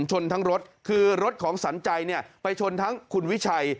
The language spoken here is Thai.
ชนทั้งรถคือรถของสัญใจไปชนทั้งคุณวิชัย